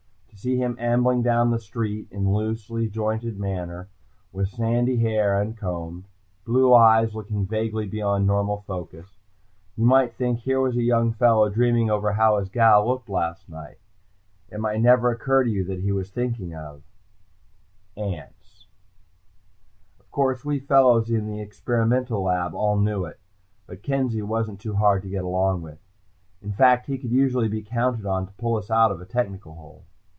To see him ambling down the street in loose jointed manner, with sandy hair uncombed, blue eyes looking vaguely beyond normal focus, you might think here was a young fellow dreaming over how his gal looked last night. It might never occur to you that he was thinking of ants. Of course, we fellows in the experimental lab all knew it, but Kenzie wasn't too hard to get along with. In fact, he could usually be counted on to pull us out of a technical hole.